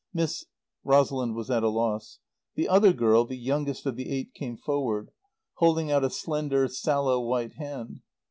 "Miss " Rosalind was at a loss. The other girl, the youngest of the eight, came forward, holding out a slender, sallow white hand.